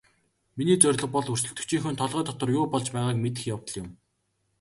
Миний зорилго бол өрсөлдөгчийнхөө толгой дотор юу болж байгааг мэдэх явдал юм.